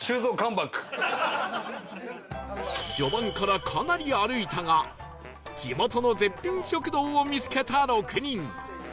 序盤からかなり歩いたが地元の絶品食堂を見つけた６人